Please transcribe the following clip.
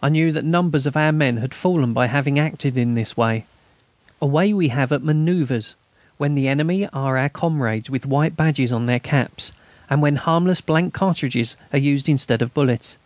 I knew that numbers of men had fallen by having acted in this way a way we have at manoeuvres, when the enemy are our comrades with white badges on their caps, and when harmless blank cartridges are used instead of bullets.